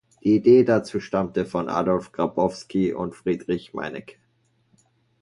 Die Idee dazu stammte von Adolf Grabowsky und Friedrich Meinecke.